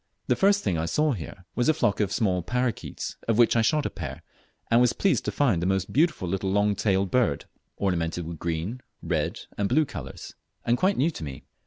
The first thing I saw here was a flock of small parroquets, of which I shot a pair, and was pleased to find a most beautiful little long tailed bird, ornamented with green, red, and blue colours, and quite new to me.